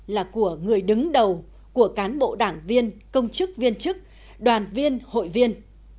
là của người đứng đầu của cán bộ đảng viên công chức viên chức đoàn viên hội viên